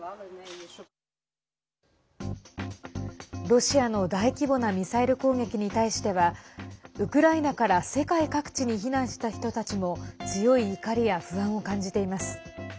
ロシアの大規模なミサイル攻撃に対してはウクライナから世界各地に避難した人たちも強い怒りや不安を感じています。